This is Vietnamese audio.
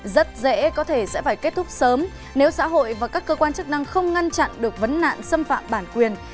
rất dễ có thể sẽ phải kết thúc sớm nếu xã hội và các cơ quan chức năng không ngăn chặn được vấn nạn xâm phạm bản quyền